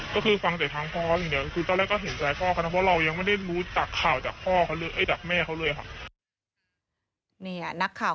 ก็คือฟังแต่ทางพ่อเขาอย่างเดียว